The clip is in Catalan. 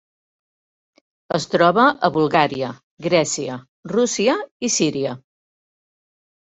Es troba a Bulgària, Grècia, Rússia i Síria.